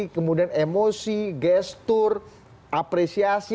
kemudian emosi gestur apresiasi